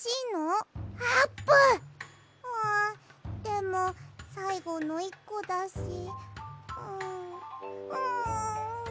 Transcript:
んでもさいごの１こだしんん。